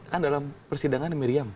kan dalam persidangan miriam